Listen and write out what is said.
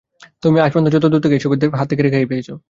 তুমি আজ পর্যন্ত দূরে সরে থেকে এসবের হাত থেকে রেহাই পেয়েছ।